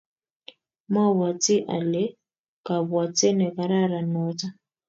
mobwoti ale kabwate nekararan noto